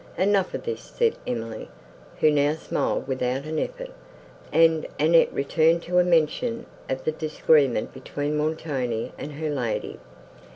"Enough of this," said Emily, who now smiled without an effort; and Annette returned to a mention of the disagreement between Montoni, and her lady.